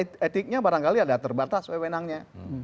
karena dewan etiknya barangkali ada terbatas wewenangnya